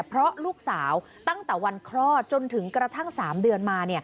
เพราะลูกสาวตั้งแต่วันคลอดจนถึงกระทั่ง๓เดือนมา